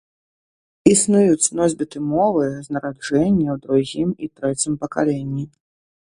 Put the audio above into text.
Існуюць носьбіты мовы з нараджэння ў другім і трэцім пакаленні.